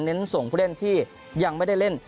ส่งผู้เล่นที่ยังไม่ได้เล่น